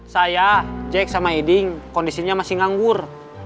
saya cek sama eding kondisinya masih nganggur